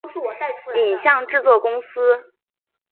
影像制作公司